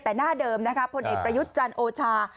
แต่หน้าเดิมนะคะพลเอกประยุทธ์จันทร์โอชา